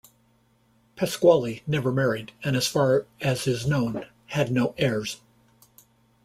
Pasquale never married and as far as is known had no heirs.